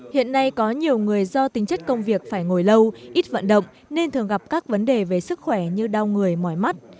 hiện nay có nhiều người do tính chất công việc phải ngồi lâu ít vận động nên thường gặp các vấn đề về sức khỏe như đau người mỏi mắt